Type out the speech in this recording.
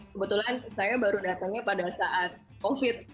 kebetulan saya baru datangnya pada saat covid